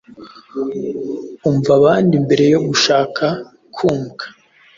Umva abandi mbere yo gushaka kumvwa